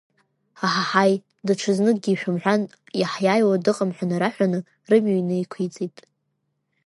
Аҳаҳаи, даҽазынгьы ишәымҳәан иаҳиааиуа дыҟам ҳәа нараҳәаны, рымҩа инықәиҵеит.